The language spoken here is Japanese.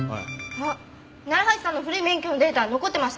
あっ楢橋さんの古い免許のデータ残ってました！